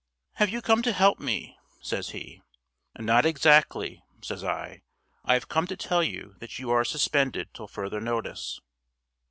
"Have you come to help me?" says he. "Not exactly," says I. "I've come to tell you that you are suspended till further notice."